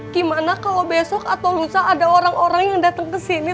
gimana kalo besok atau lusa ada orang orang yang dateng kesini